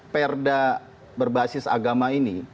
perda berbasis agama ini